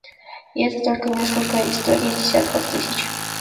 И это только несколько историй из десятков тысяч.